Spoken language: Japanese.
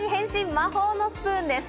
魔法のスプーンです。